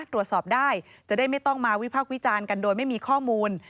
ตรวจสอบได้จะได้ไม่ต้องมาวิพากษ์วิจารณ์กันโดยไม่มีข้อมูล